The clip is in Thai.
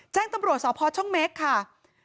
แจ้งตำรวจสพช่องเม็กค่ะ